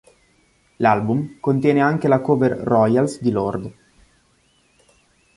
L'album contiene anche la cover "Royals" di Lorde.